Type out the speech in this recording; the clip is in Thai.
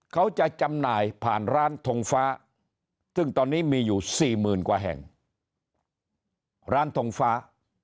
จำหน่ายผ่านร้านทงฟ้าซึ่งตอนนี้มีอยู่สี่หมื่นกว่าแห่งร้านทงฟ้า